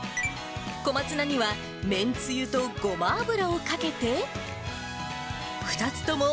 小松菜にはめんつゆとごま油をかけて。